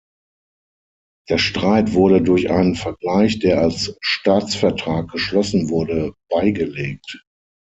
Der Streit wurde durch einen Vergleich, der als Staatsvertrag geschlossen wurde, beigelegt.